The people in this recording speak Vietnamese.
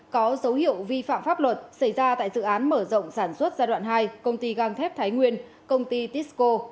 có dấu hiệu vi phạm pháp luật xảy ra tại dự án mở rộng sản xuất giai đoạn hai công ty găng thép thái nguyên công ty tisco